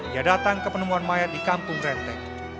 ia datang ke penemuan mayat di kampung renteng